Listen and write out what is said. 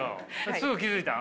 すぐ気付いた？